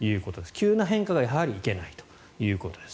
急な変化がやはりいけないということです。